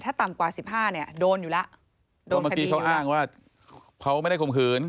ถ้าต่ำกว่าสิบห้าเนี่ยโดนอยู่แล้วโดนเมื่อกี้เขาอ้างว่าเขาไม่ได้ข่มขืน